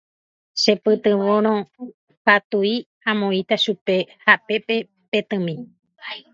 Chepytyvõrõ katui amoĩta chupe hapépe petỹmi.